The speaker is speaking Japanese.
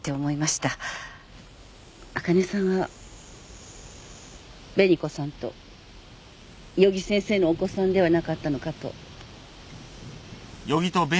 あかねさんは紅子さんと余木先生のお子さんではなかったのかと。